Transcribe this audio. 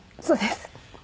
そうです。